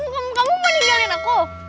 kamu mau tinggalin aku